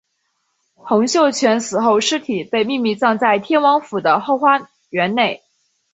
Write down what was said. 洪秀全死后尸体被秘密葬在天王府的后花园内。